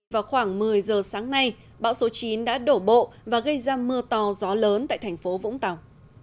vào khoảng một mươi giờ sáng nay bão số chín đã đổ bộ và gây ra mưa to gió lớn tại thành phố vũng tàu